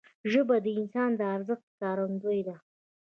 ژبه د انسان د ارزښت ښکارندوی ده